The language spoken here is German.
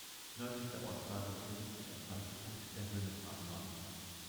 Nördlich der Ortslage befindet sich ein Haltepunkt der Hönnetalbahn.